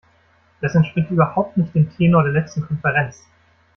Das entspricht überhaupt nicht dem Tenor der letzten Konferenz.